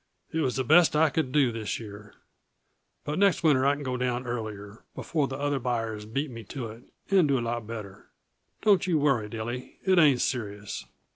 It was the best I could do this year but next winter I can go down earlier, before the other buyers beat me to it, and do a lot better. Don't yuh worry, Dilly; it ain't serious."